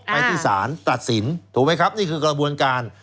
ไปที่ศาลตัดสินถูกไหมครับนี่คือกระบวนการ